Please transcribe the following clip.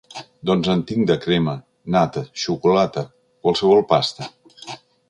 Doncs en tinc de crema, nata, xocolata... qualsevol pasta.